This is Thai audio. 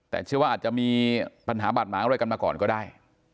แต่เชื่อว่าอาจจะมีปัญหาบาดหมางอะไรกันมาก่อนก็ได้